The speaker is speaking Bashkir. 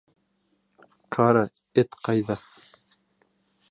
— Кара Эт ҡайҙа?